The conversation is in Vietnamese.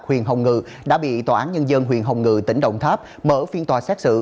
huyện hồng ngự đã bị tòa án nhân dân huyện hồng ngự tỉnh đồng tháp mở phiên tòa xét xử